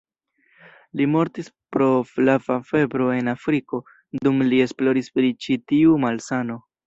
Li mortis pro flava febro en Afriko, dum li esploris pri ĉi-tiu malsano.